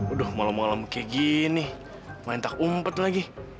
aduh malam malam kayak gini main tak umpet lagi